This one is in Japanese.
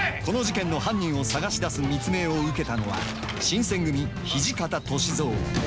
この事件の犯人を探し出す密命を受けたのは新選組土方歳三。